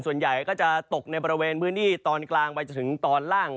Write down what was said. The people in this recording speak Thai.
ส่วนใหญ่ก็จะตกในบริเวณพื้นที่ตอนกลาง